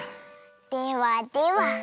ではでは。